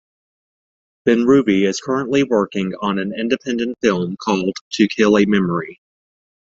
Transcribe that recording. Benrubi is currently working on an independent film called "To Kill a Memory".